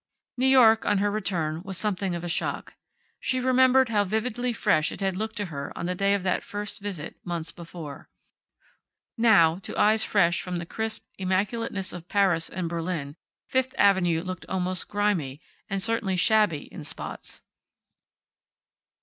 New York, on her return, was something of a shock. She remembered how vividly fresh it had looked to her on the day of that first visit, months before. Now, to eyes fresh from the crisp immaculateness of Paris and Berlin, Fifth avenue looked almost grimy, and certainly shabby in spots.